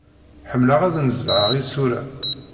Ḥemmleɣ ad nezheɣ isura.